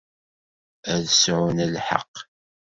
Ad sɛun lḥeqq.